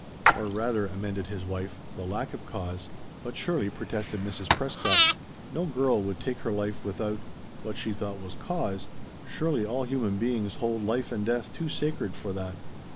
"Or rather," amended his wife, "the lack of cause." "But surely," protested Mrs. Prescott, "no girl would take her life without what she thought was cause. Surely all human beings hold life and death too sacred for that."